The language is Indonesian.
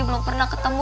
belum pernah ketemu